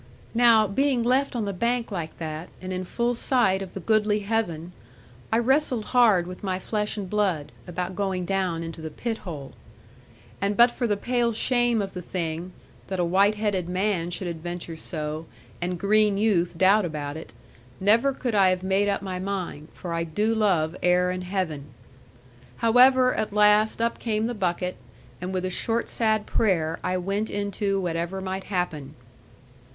Now being left on the bank like that, and in full sight of the goodly heaven, I wrestled hard with my flesh and blood, about going down into the pit hole. And but for the pale shame of the thing, that a white headed man should adventure so, and green youth doubt about it, never could I have made up my mind; for I do love air and heaven. However, at last up came the bucket; and with a short sad prayer I went into whatever might happen.